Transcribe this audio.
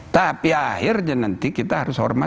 tapi akhirnya nanti kita harus hormati